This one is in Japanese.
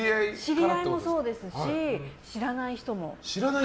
知り合いもそうですし知らない人も。